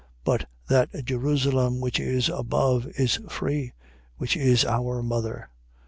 4:26. But that Jerusalem which is above is free: which is our mother.